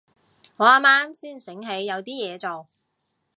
我啱啱先醒起有啲嘢做